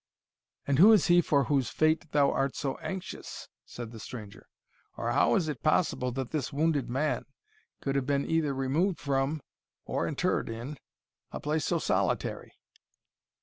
"And who is he for whose fate thou art so anxious?" said the stranger; "or how is it possible that this wounded man could have been either removed from, or interred in, a place so solitary?"